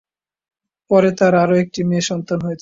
পরে তাঁর আরও একটি মেয়ে সন্তান হয়েছিল।